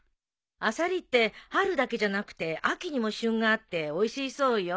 アサリって春だけじゃなくて秋にも旬があっておいしいそうよ。